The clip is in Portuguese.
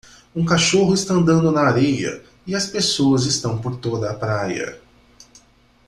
Um cachorro está andando na areia e as pessoas estão por toda a praia